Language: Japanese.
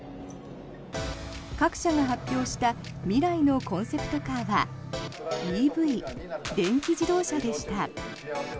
各社が発表した未来のコンセプトカーはＥＶ・電気自動車でした。